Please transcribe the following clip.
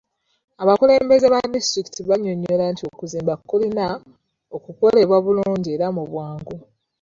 Abakulembeze ba disitulikiti bannyonnyola nti okuzimba kulina okukolebwa bulungi era mu bwangu.